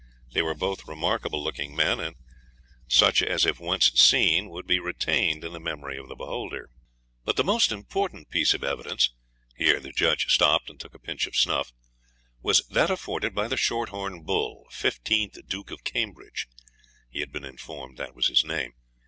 They were both remarkable looking men, and such as if once seen would be retained in the memory of the beholder. But the most important piece of evidence (here the judge stopped and took a pinch of snuff) was that afforded by the short horn bull, Fifteenth Duke of Cambridge he had been informed that was his name.